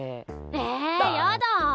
えやだ。